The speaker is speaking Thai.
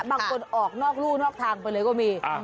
บางคนออกนอกรู่นอกทางไปเลยก็มี